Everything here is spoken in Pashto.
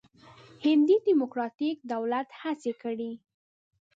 هندي ډموکراتیک دولت هڅې کړې.